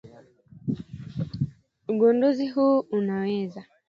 Ugunduzi huu unaweza